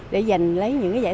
để giành lấy những giải thưởng